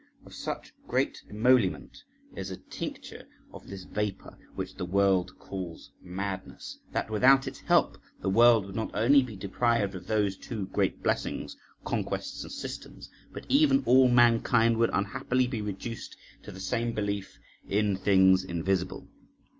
Of such great emolument is a tincture of this vapour, which the world calls madness, that without its help the world would not only be deprived of those two great blessings, conquests and systems, but even all mankind would unhappily be reduced to the same belief in things invisible.